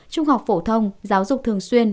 trung học phổ thông giáo dục thường xuyên